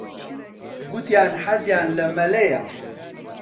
گوتیان حەزیان لە مەلەیە.